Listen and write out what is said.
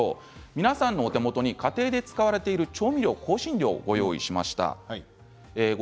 皆さんのお手元に家庭で使われている調味料、香辛料をご用意しました。